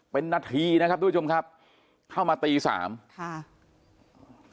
เป็นนาทีนะครับทุกผู้ชมครับเข้ามาตีสามค่ะ